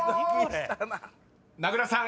［名倉さん